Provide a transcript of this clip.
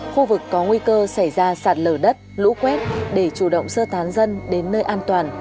khu vực có nguy cơ xảy ra sạt lở đất lũ quét để chủ động sơ tán dân đến nơi an toàn